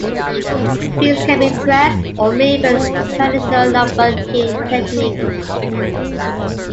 Beads can be pressed, or made with traditional lampworking techniques.